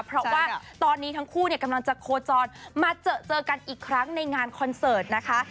เพราะว่าตอนนี้ทั้งคู่เนี่ยกำลังจะโคจรมาเจอกันอีกครั้งในงานคอนเสิร์ตนะคะ